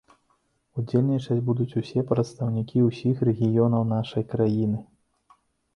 Удзельнічаць будуць усе прадстаўнікі ўсіх рэгіёнаў нашай краіны.